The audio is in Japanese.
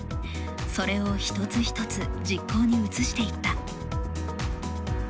それを一つ一つ実行に移していった。